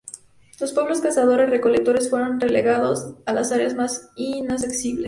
Los pueblos cazadores recolectores fueron relegados a las áreas más inaccesibles.